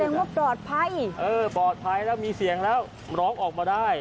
ว่าปลอดภัยเออปลอดภัยแล้วมีเสียงแล้วร้องออกมาได้